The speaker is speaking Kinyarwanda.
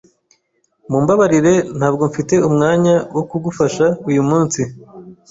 Mumbabarire, ntabwo mfite umwanya wo kugufasha uyu munsi.